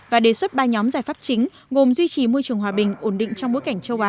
và đề xuất ba nhóm giải pháp chính gồm duy trì môi trường hòa bình ổn định trong bối cảnh châu á